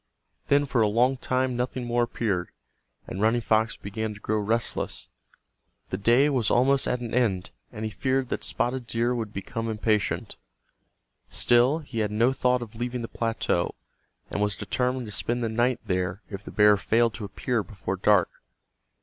Then for a long time nothing more appeared, and Running Fox began to grow restless. The day was almost at an end, and he feared that Spotted Deer would become impatient. Still he had no thought of leaving the plateau, and was determined to spend the night there if the bear failed to appear before dark.